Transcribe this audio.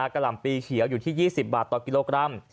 กล่ำปีเขียวอยู่ที่๒๐บาทต่อกิโลกรัม